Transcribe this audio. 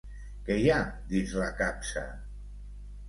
Què hi ha dins la capsa?